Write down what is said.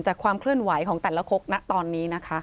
จากความเคลื่อนไหวของแต่ละก๊กตอนนี้